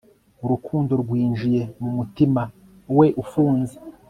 urukundo rwinjiye mu mutima we ufunze